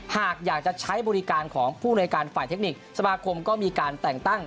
หากอยากจะใช้บริการของผู้ในการฝ่ายเทคนิคสมาคมก็มีการแต่งตั้ง